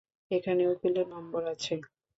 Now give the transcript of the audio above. এখানে উকিলের নম্বর আছে।